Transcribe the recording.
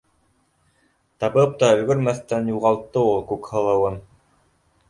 Табып та өлгөрмәҫтән юғалтты ул Күкһылыуын.